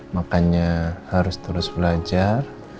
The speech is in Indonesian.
makanya harus terus belajar